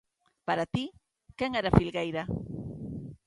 Para ti, quen era Filgueira?